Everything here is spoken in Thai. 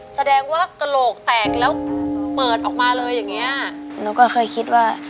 แสดงว่ากระโหลกแตกแล้วเปิดออกมาเลยอย่างเงี้ยหนูก็เคยคิดว่า